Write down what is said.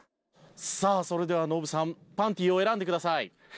さあそれではノブさんパンティを選んでください。